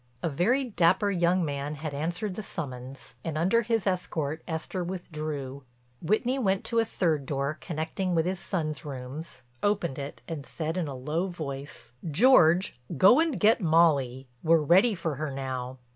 A very dapper young man had answered the summons and under his escort Esther withdrew. Whitney went to a third door connecting with his son's rooms, opened it and said in a low voice: "George, go and get Molly. We're ready for her now."